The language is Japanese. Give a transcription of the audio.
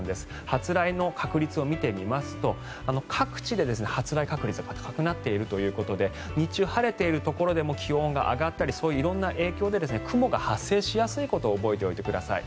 初雷の確率を見てみますと各地で発雷確率が高くなっているということで日中晴れているところでも気温が上がったりそういう色んな影響で雲が発生しやすいことを覚えておいてください。